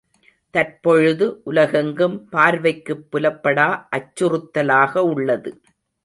தற்பொழுது உலகெங்கும் பார்வைக்குப் புலப்படா அச்சுறுத்தலாக உள்ளது.